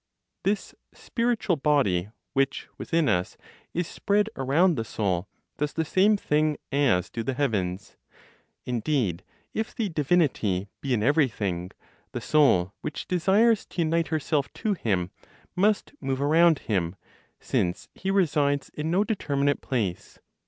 This spirit(ual body) which, within us, is spread around the soul, does the same thing as do the heavens. Indeed, if the divinity be in everything, the Soul, which desires to unite herself to Him, must move around Him, since He resides in no determinate place.